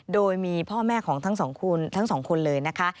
โดยมีพ่อแม่ของทั้งสองคนเลยนะคะ